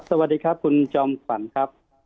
สวัสดีครับคุณจอมขวัญครับ